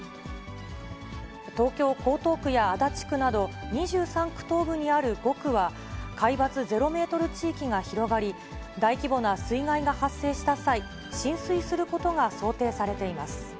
東京・江東区や足立区など、２３区東部にある５区は、海抜０メートル地域が広がり、大規模な水害が発生した際、浸水することが想定されています。